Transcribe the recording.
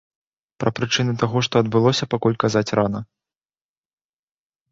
Пра прычыны таго, што адбылося, пакуль казаць рана.